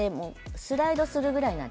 スライドするぐらい。